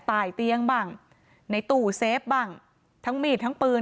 ใต้เตียงบ้างในตู้เซฟบ้างทั้งมีดทั้งปืน